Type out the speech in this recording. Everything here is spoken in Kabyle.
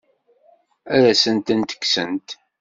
Ad asen-ten-kksent?